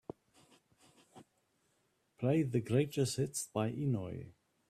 Play the greatest hits by Inoj.